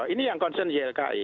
ini yang konsen jlki